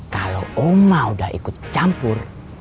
kalo oma udah ikut campur